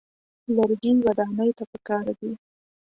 لرګي ودانۍ ته پکار دي.